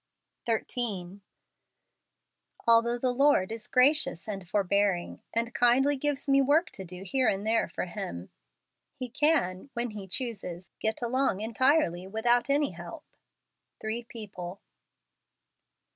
13. Although the Lord is gracious and forbearing, and kindly gives me the work to do here and there for Him, He can, when He chooses, get along entirely without any help. Three People.